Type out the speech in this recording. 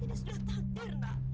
ini sudah takdir nak